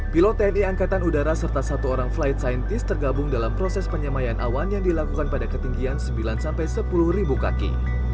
pilot tni angkatan udara serta satu orang flight scientist tergabung dalam proses penyamaian awan yang dilakukan pada ketinggian sembilan sampai sepuluh kaki